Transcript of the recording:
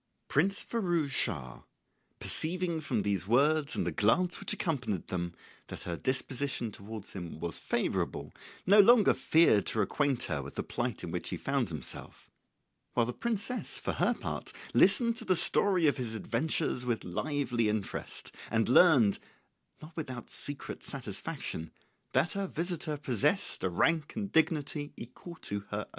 Prince Firouz Schah, perceiving from these words and the glance which accompanied them, that her disposition towards him was favourable, no longer feared to acquaint her with the plight in which he found himself; while the princess, for her part, listened to the story of his adventures with lively interest, and learned, not without secret satisfaction, that her visitor possessed a rank and dignity equal to her own.